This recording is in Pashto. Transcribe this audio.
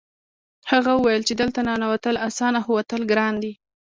هغه وویل چې دلته ننوتل اسانه خو وتل ګران دي